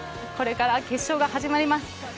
これから決勝が始まります。